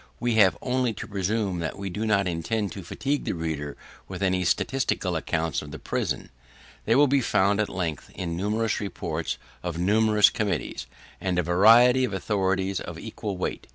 We have only to premise, that we do not intend to fatigue the reader with any statistical accounts of the prison; they will be found at length in numerous reports of numerous committees, and a variety of authorities of equal weight.